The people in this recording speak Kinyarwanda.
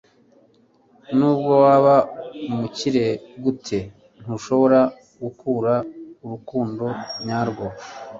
Nubwo waba umukire gute ntushobora kugura urukundo nyarwo